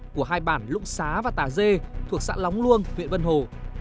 của hai bản lũng xá và tà dê thuộc xã lóng luông huyện vân hồ